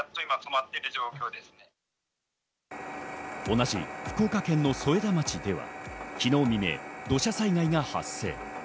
同じ福岡県の添田町では昨日未明、土砂災害が発生。